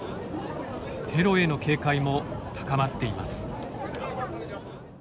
テロへの警戒も高まっています。